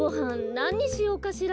なににしようかしら。